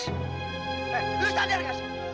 eh lu sadar gak sih